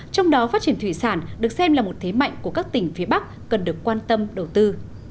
trong đó phát triển thủy sản được xem là một thế mạnh của các tỉnh phía bắc cần được quan tâm đầu tư